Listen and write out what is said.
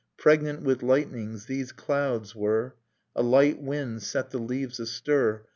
Pregnant with lightnings, these clouds were ...,; A light wind set the leaves astir